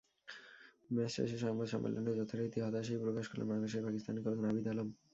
Match শেষের সংবাদ সম্মেলনে যথারীতি হতাশাই প্রকাশ করলেন বাংলাদেশের পাকিস্তানী কোচ নাভিদ আলম।